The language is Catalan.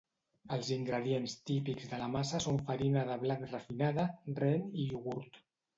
Els ingredients típics de la massa són farina de blat refinada, rent i iogurt.